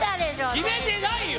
決めてないよ！